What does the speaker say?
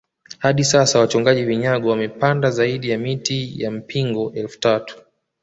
Hadi sasa wachongaji vinyago wamepanda zaidi ya miti ya mpingo elfu tatu